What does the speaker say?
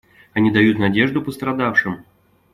Они дают надежду пострадавшим.